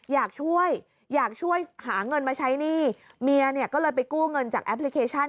อยากช่วยอยากช่วยหาเงินมาใช้หนี้เมียเนี่ยก็เลยไปกู้เงินจากแอปพลิเคชัน